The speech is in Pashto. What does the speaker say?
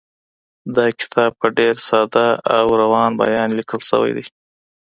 دا کتاب په ډېر ساده او روان بېان ليکل شوی دی.